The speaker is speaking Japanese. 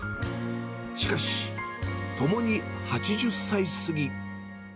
しかし、ともに８０歳過ぎ。